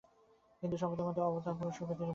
হিন্দু-সম্প্রদায়ের মধ্যে অবতার-পুরুষরূপে তিনি পূজিত।